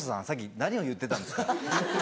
さっき何を言ってたんですか？」。